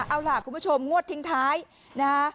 เอาล่ะคุณผู้ชมงวดทิ้งท้ายนะฮะ